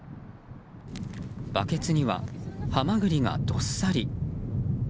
バケツにはハマグリがどっさり。